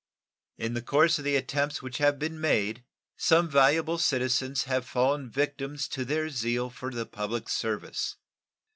In the course of the attempts which have been made some valuable citizens have fallen victims to their zeal for the public service.